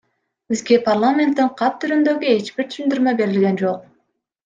Бизге парламенттен кат түрүндөгү эч бир түшүндүрмө берилген жок.